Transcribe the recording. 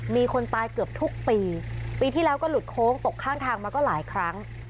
มีคนตายเกือบทุกปีปีที่แล้วก็หลุดโค้งตกข้างทางมาก็หลายครั้ง